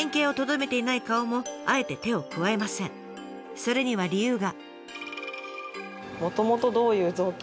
それには理由が。